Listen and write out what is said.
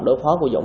đối phó của dũng